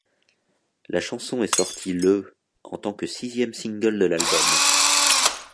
La chanson est sortie le en tant que sixième single de l'album.